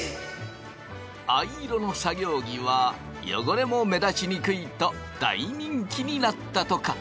藍色の作業着は汚れも目立ちにくいと大人気になったとか。